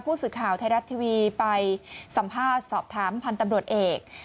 ผู้สื่อข่าวไทยรัฐทีวีไปสัมภาษณ์สอบถามพันธ์ตำรวจเอก